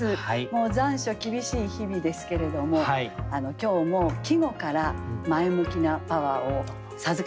もう残暑厳しい日々ですけれども今日も季語から前向きなパワーを授かりたいなと思っております。